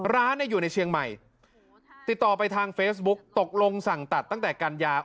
ร้านเนี่ยอยู่ในเชียงใหม่ติดต่อไปทางเฟซบุ๊กตกลงสั่งตัดตั้งแต่กันยา